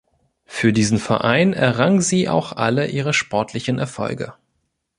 Für diesen Verein errang sie auch alle ihre sportlichen Erfolge.